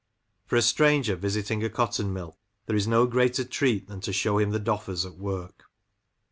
For a stranger visiting a cotton mill there is no greater treat than to show him the DofFers at work.